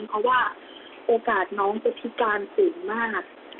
เพราะว่าโอกาสน้องจะพิการสูงมาก